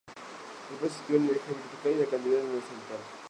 El precio se sitúa en el eje vertical y la cantidad en el horizontal.